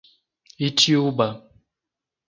Itiúba